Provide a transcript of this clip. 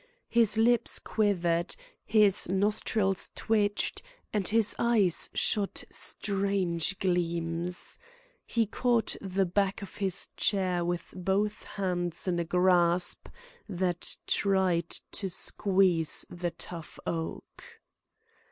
His lips quivered, his nostrils twitched, and his eyes shot strange gleams. He caught the back of his chair with both hands in a grasp that tried to squeeze the tough oak.